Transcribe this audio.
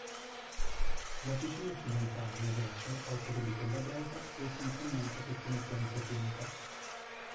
La Sicilia occidentale invece, oltre che di quella greca, fu essenzialmente sotto l'influenza punica.